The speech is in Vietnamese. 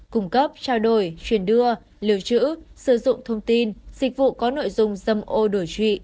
cung cấp trao đổi truyền đưa lưu trữ sử dụng thông tin dịch vụ có nội dung dâm ô đổi trụy